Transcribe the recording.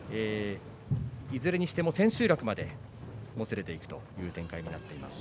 いずれにしても千秋楽までもつれ込んでいくという展開になっています。